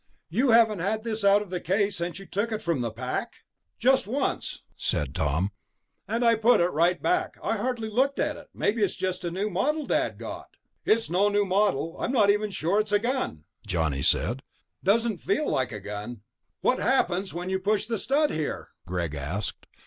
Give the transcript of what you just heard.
"You haven't had this out of the case since you took it from the pack?" "Just once," said Tom. "And I put it right back. I hardly looked at it. Look, maybe it's just a new model Dad got." "It's no new model. I'm not even sure it's a gun," Johnny said. "Doesn't feel like a gun." "What happens when you push the stud here?" Greg asked.